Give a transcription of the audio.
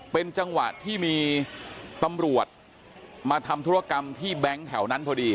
เป็นจังหวะที่มีตำรวจมาทำธุรกรรมที่แบงค์แถวนั้นพอดี